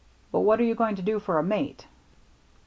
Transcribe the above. But what are you going to do for a mate ?